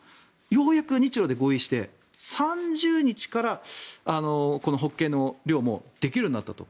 ようやく日ロで合意して３０日からホッケの漁もできるようになったと。